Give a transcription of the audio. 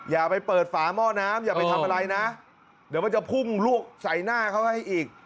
อย่าไปเปิดฝาหม้อน้ำอย่าไปทำอะไรนะเดี๋ยวมันจะพุ่งลวกใส่หน้าเขาให้อีก